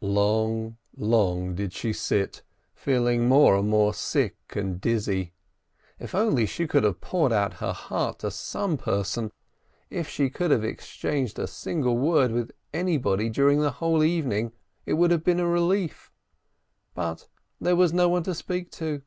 Long, long did she sit, feeling more and more sick and dizzy. If only she could have poured out her heart to some one person, if she could have exchanged a single word with anybody during that whole evening, it would have been a relief, but there was no one to speak to.